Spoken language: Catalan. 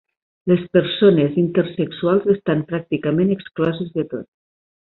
Les persones intersexuals estan pràcticament excloses del tot.